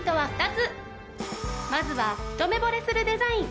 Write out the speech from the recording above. まずは一目惚れするデザイン。